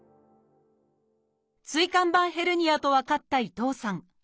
椎間板ヘルニアと分かった伊藤さん。